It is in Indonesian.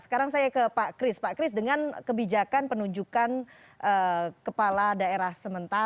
sekarang saya ke pak kris pak kris dengan kebijakan penunjukan kepala daerah sementara